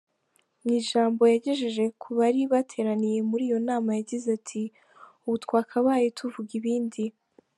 Mu ijambo yagejeje kubari bateraniye muri iyo nama yagize ati “Ubu twakabaye tuvuga ibindi.